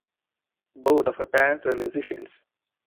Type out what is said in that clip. Both of her parents were musicians.